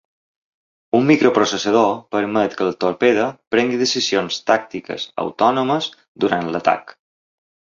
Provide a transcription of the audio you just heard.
Un microprocessador permet que el torpede prengui decisions tàctiques autònomes durant l'atac.